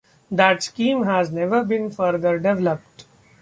That scheme has never been further developed.